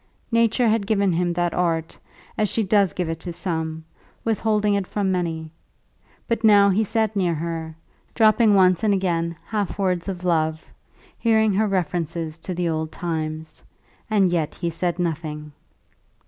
Nature had given him that art, as she does give it to some, withholding it from many. But now he sat near her, dropping once and again half words of love, hearing her references to the old times; and yet he said nothing.